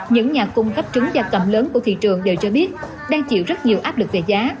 những nhà cung khắp trứng và cầm lớn của thị trường giờ cho biết đang chịu rất nhiều áp lực về giá